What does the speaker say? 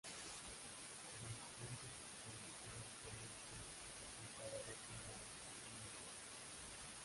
La incidencia fiscal puede referirse al pagador final de un impuesto.